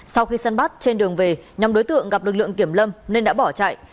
sau khi săn bắt trên đường về nhóm đối tượng gặp lực lượng kiểm lâm nên đã bỏ chạy